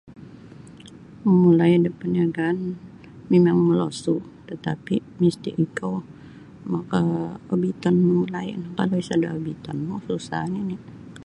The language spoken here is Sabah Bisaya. Mamulai' da parniagaan mimang molosu' tatapi' misti ikou maka' obitonmu mamulai' kalau sada' obitonmu susah nini'.